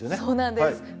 そうなんです。